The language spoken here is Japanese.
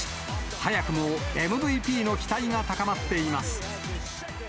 早くもＭＶＰの期待が高まっています。